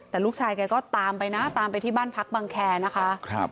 แต่ลูกชายใกล้ตามไปที่บ้านพักบังแครนะคะ